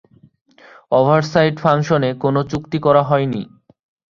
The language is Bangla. ওভারসাইট ফাংশনে কোন চুক্তি করা হয়নি।